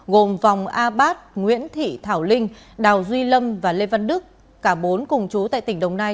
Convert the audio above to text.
gồm vòng a bát nguyễn thị thảo linh đào duy lâm và lê văn đức cả bốn cùng chú tại tỉnh đồng nai